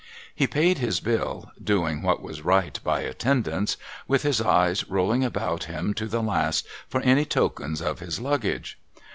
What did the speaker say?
He paid his bill (doing what was right by attendance) with his eye rolling about him to the last for any tokens of his Luggage.